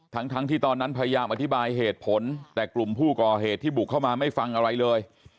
ทั้งที่ตอนนั้นพยายามอธิบายเหตุผลแต่กลุ่มผู้ก่อเหตุที่บุกเข้ามาไม่ฟังอะไรเลย